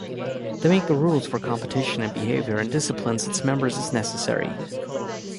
They make the rules for competition and behavior and disciplines its members as necessary.